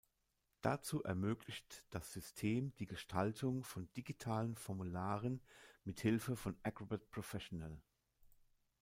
Dazu ermöglicht das System die Gestaltung von digitalen Formularen mit Hilfe von Acrobat Professional.